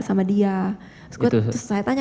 sama dia terus saya tanya